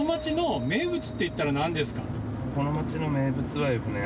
この町の名物はですね